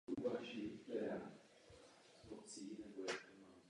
Mají nejčastěji pětičetné jednopohlavné květy v úžlabních květenstvích.